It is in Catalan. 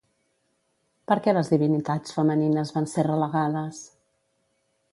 Per què les divinitats femenines van ser relegades?